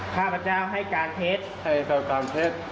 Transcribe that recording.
ข้าพระเจ้าให้การเทศให้การเทศ